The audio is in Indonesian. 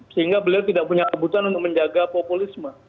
sehingga beliau tidak punya kebutuhan untuk menjaga populisme